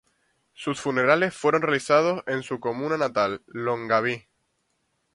Sus funerales fueron realizados en su comuna natal, Longaví.